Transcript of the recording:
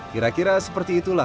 kira kira seperti itulah